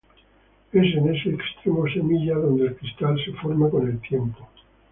Es en ese extremo semilla donde el cristal se forma con el tiempo.